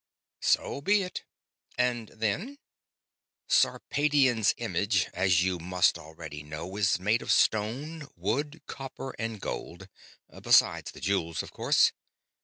"So be it. And then?" "Sarpedion's image, as you must already know, is made of stone, wood, copper, and gold besides the jewels, of course.